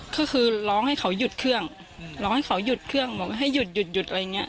ก็คือร้องให้เขาหยุดเครื่องร้องให้เขาหยุดเครื่องบอกว่าให้หยุดหยุดอะไรอย่างเงี้